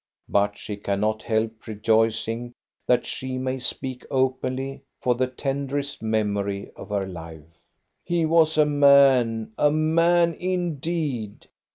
But she cannot help rejoic ing that she may speak openly of the tenderest memory of her life. " He was a man, a man indeed.